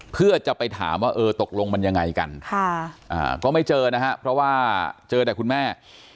เพื่อจะไปถามว่าเออตกลงมันยังไงกันก็ไม่เจอนะฮะเพราะว่าเจอแต่คุณแม่